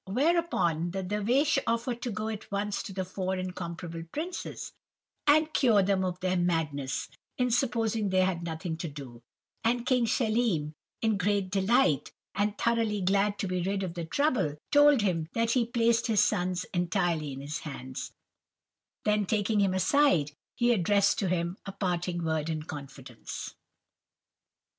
Whereupon the Dervish offered to go at once to the four incomparable princes, and cure them of their madness in supposing they had nothing to do, and King Schelim in great delight, and thoroughly glad to be rid of the trouble, told him that he placed his sons entirely in his hands; then taking him aside, he addressed to him a parting word in confidence.